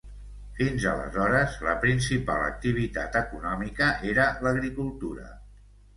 Fins aleshores, la principal activitat econòmica era l'agricultura.